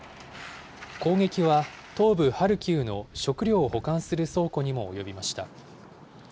攻撃は東部ハルキウの食料を保管する倉庫にも及びました。